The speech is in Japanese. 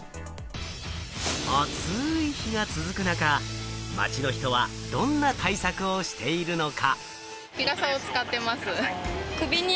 暑い日が続く中、街の人はどんな対策をしているのか？